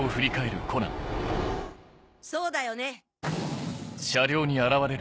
そうだよね？